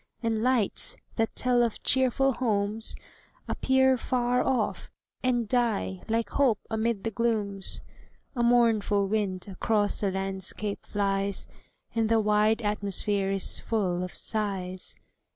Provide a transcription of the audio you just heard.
And lights, that tell of cheerful homes, appear Far off, and die like hope amid the glooms. A mournful wind across the landscape flies, And the wide atmosphere is full of sighs.